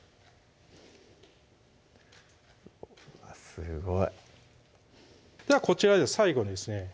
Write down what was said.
すごいこちら最後にですね